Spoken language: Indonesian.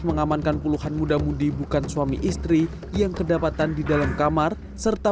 mengamankan puluhan muda mudi bukan suami istri yang kedapatan di dalam kamar serta